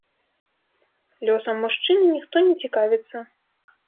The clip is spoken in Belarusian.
Лёсам мужчыны ніхто не цікавіцца.